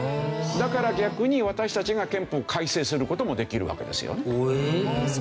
だから逆に私たちが憲法を改正する事もできるわけですよね。